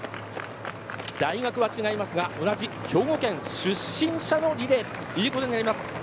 大学は違いますが同じ兵庫県出身者のリレーということになります。